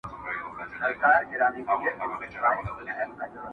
پېښه د تماشې بڼه اخلي او درد پټيږي،